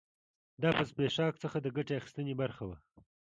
دا په زبېښاک څخه د ګټې اخیستنې برخه کې و